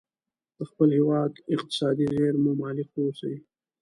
د خپل هیواد اقتصادي زیرمو مالک واوسي.